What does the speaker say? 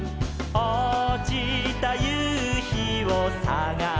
「おちたゆうひをさがして」